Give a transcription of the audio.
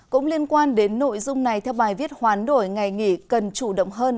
cũng liên quan đến nội dung này theo bài viết hoán đổi ngày nghỉ cần chủ động hơn